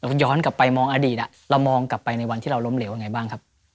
ย้อนกลับไปมองอดีตเรามองกลับไปในวันที่เราล้มเหลวยังไงบ้างครับ